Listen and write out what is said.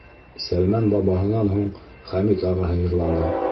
Сәлмән бабаһынан һуң Хәмит ағаһы йырланы.